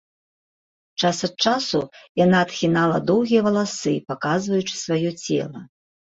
Час ад часу яна адхінала доўгія валасы, паказваючы сваё цела.